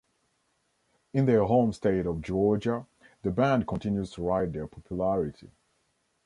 In their home state of Georgia, the band continues to ride their popularity.